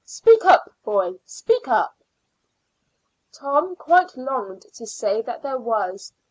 Speak up, boy speak up." Tom quite longed to say that there was.